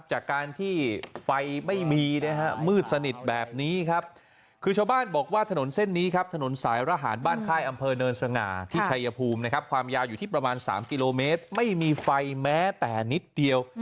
จากการที่ไฟไม่มีนะฮะมืดสนิทแบบนี้ครับคือชาวบ้านบอกว่าถนนเส้นนี้ครับถนนสายระหารบ้านค่ายอำเภอเนินสง่าที่ชัยภูมินะครับความยาวอยู่ที่ประมาณ๓กิโลเมตรไม่มีไฟแม้แต่นิดเดียว